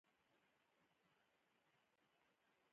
ابراهيم ځدراڼ په شل اوريزو کې ښه نه دی.